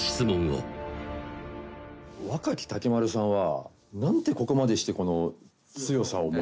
「若木竹丸さんは」